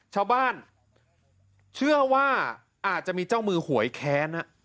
ชาวบ้านเชื่อว่าอาจจะมีเจ้ามือหวยแค้น